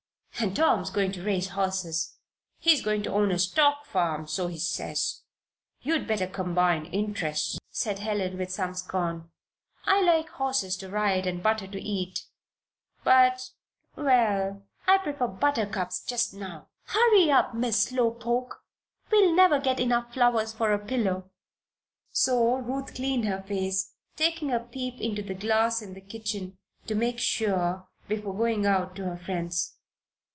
"And Tom's going to raise horses. He's going to own a stock farm so he says. You'd better combine interests," said Helen, with some scorn. "I like horses to ride, and butter to eat, but well, I prefer buttercups just now. Hurry up, Miss Slow poke! We'll never get enough flowers for a pillow." So Ruth cleaned her face, taking a peep into the glass in the kitchen to make sure, before going out to her friends.